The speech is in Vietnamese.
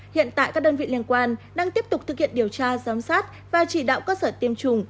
hiện tại các đơn vị liên quan đang tiếp tục thực hiện điều tra giám sát và chỉ đạo cơ sở tiêm chủng